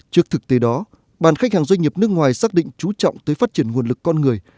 trước thực tế đó bàn khách hàng doanh nghiệp nước ngoài xác định chú trọng tới phát triển nguồn lực con người